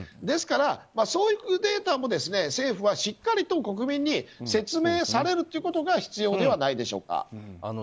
ですから、そういうデータも政府はしっかりと国民に説明されるということが必要ではないでしょうか。